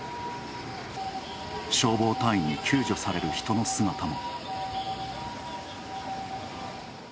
消防隊員に救助される人の姿も。